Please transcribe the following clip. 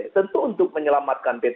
tentu untuk menyelamatkan p tiga